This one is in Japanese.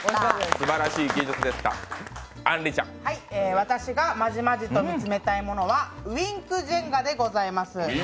私がまじまじと見つめたいものはウインクジェンガです。